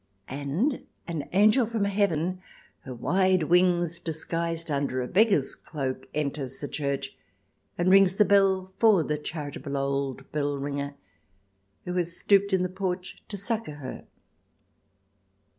And an angel from Heaven, her wide wings disguised under a beggar's cloak, enters the church, and rings the bell for the charitable old bellringer, who has stooped in the porch to succour her.